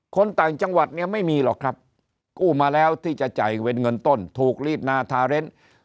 คนต่างจังหวัดเนี่ยไม่มีหรอกครับกู้มาแล้วที่จะจ่ายเป็นเงินต้นถูกรีดนาทาเรน